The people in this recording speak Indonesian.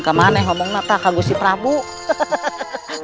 kami sudah menyelamatkan